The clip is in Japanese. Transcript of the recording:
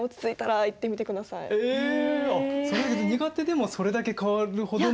あっ苦手でもそれだけ変わるほどの？